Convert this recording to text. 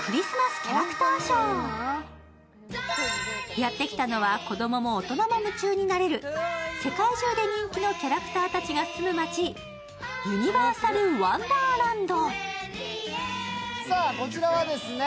やってきたのは、子供も大人も夢中になれる世界中で人気のキャラクターたちが住む街、ユニバーサル・ワンダーランド。